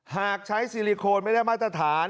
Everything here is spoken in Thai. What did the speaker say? หากใช้ซิลิโคนไม่ได้มาตรฐาน